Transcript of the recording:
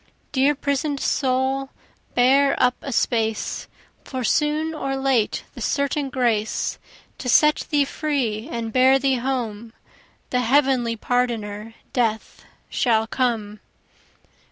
Dear prison'd soul bear up a space, For soon or late the certain grace; To set thee free and bear thee home, The heavenly pardoner death shall come.